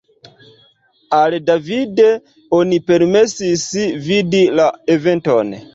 Al David oni permesis vidi la eventon.